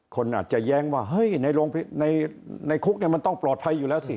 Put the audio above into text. คนอาจจะแย้งว่าเฮ้ยในคุกมันต้องปลอดภัยอยู่แล้วสิ